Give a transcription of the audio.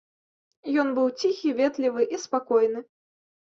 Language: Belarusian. Ён быў ціхі, ветлівы і спакойны.